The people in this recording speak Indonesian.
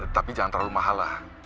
tapi jangan terlalu mahal lah